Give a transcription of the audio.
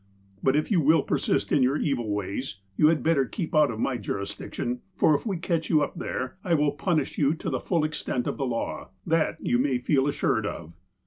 But, if you will persist in your evil ways, you had better keep out of my jurisdiction, for if we catch you up there, I will punish you to the full extent of the law, that you may feel assured of."